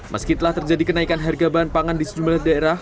meski telah terjadi kenaikan harga bahan pangan di sejumlah daerah